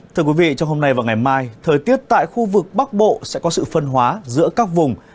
thưa quý vị trong hôm nay và ngày mai thời tiết tại khu vực bắc bộ sẽ có sự phân hóa giữa các vùng